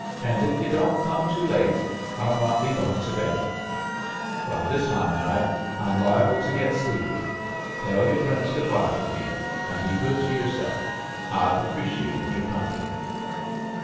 — and if yu' don't come too late III not be gone to bed. By this time of night Tm liable to get sleepy. Tell your friends good bye for me, and be good to yourself. I've appreciated your company."